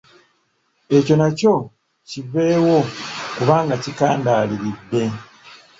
Ekyo nakyo kiveewo kubanga kikandaalidde.